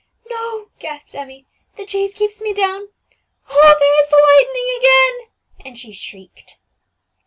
"No," gasped Emmie; "the chaise keeps me down. Oh, there is the lightning again!" and she shrieked.